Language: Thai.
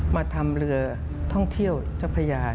มาทำเรือท่องเที่ยวเจ้าพระยา